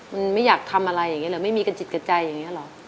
มันไม่อยากทำอะไรอย่างนี้หรือไม่มีกระจิตกระใจอย่างนี้หรอ